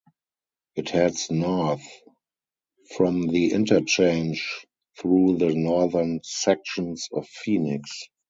It heads north from the interchange through the northern sections of Phoenix.